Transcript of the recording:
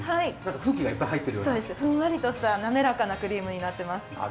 ふんわりをしたなめらかなクリームになっております。